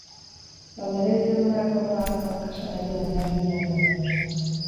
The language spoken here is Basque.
Landare-bizidunak, oro har, bazka sarearen oinarri-oinarrian daude.